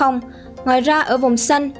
ngoài ra ở vùng xanh